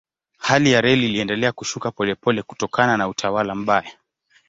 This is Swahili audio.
Hali ya reli iliendelea kushuka polepole kutokana na utawala mbaya.